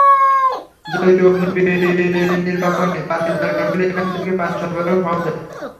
জরুরি অগ্নিনির্বাপণে পানির দরকার হলে এখান থেকে পানি সরবরাহ সহজ হয়।